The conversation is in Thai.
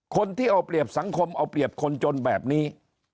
คนที่เอาเปรียบสังคมเอาเปรียบคนจนแบบนี้